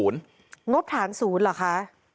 งบฐาน๐เหรอค่ะ